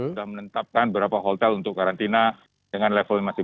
sudah menetapkan beberapa hotel untuk karantina dengan level masing masing